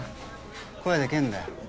声でけえんだよ。